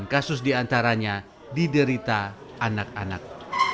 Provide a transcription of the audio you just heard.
enam kasus diantaranya diderita anak anak